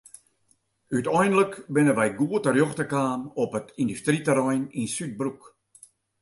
Uteinlik binne wy goed terjochte kaam op it yndustryterrein yn Súdbroek.